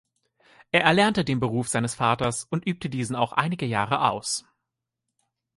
Er erlernte den Beruf seines Vaters und übte diesen auch einige Jahre aus.